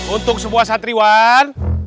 untuk semua satriwan